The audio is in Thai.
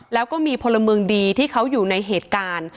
แล้วก็มีพลเมืองดีที่เขาอยู่ในเหตุการณ์